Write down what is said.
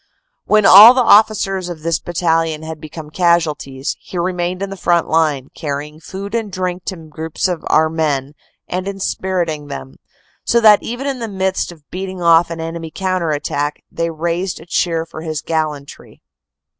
When all the officers of this Battalion had become casualties, he remained in the front line, carrying food and drink to groups of our men, OPERATIONS: SEPT. 30 OCT. 2. CONTINUED 271 and inspiriting them, so that even in the midst of beating off an enemy counter attack, they raised a cheer for his gallantry.